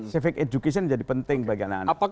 civic education jadi penting bagi anak anak